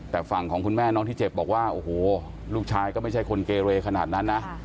แต่ฝั่งของคุณแม่น้องที่เจ็บบอกว่าโอ้โหลูกชายก็ไม่ใช่คนเกเรขนาดนั้นนะ